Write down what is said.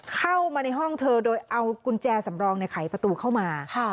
เข้ามาในห้องเธอโดยเอากุญแจสำรองในไขประตูเข้ามา